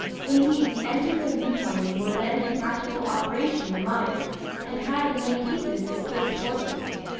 Indeed the engines of Newcomen were then in practical operation in the mines and had in many cases displaced horses.